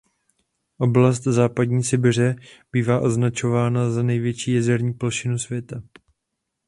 Oblast Západní Sibiře bývá označována za největší jezerní plošinu světa.